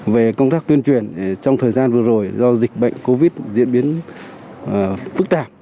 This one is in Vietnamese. về công tác tuyên truyền trong thời gian vừa rồi do dịch bệnh covid diễn biến phức tạp